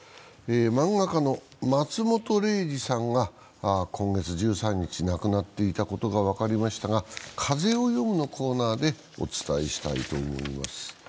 漫画家の松本零士さんが今月１３日亡くなっていたことが分かりましたが、「風をよむ」のコーナーでお伝えしたいと思います。